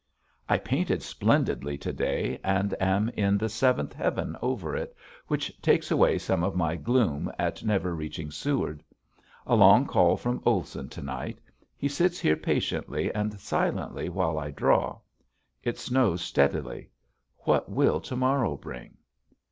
I painted splendidly to day and am in the seventh heaven over it, which takes away some of my gloom at never reaching Seward. A long call from Olson to night. He sits here patiently and silently while I draw. It snows steadily. What will to morrow bring?